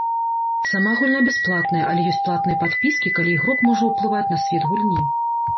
Сама гульня бясплатная, але ёсць платныя падпіскі, калі ігрок можа ўплываць на свет гульні.